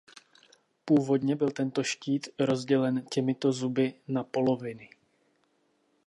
Původně byl tento štít rozdělen těmito zuby na poloviny.